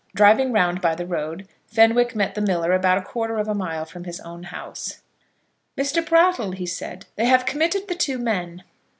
Driving round by the road, Fenwick met the miller about a quarter of a mile from his own house. "Mr. Brattle," he said, "they have committed the two men."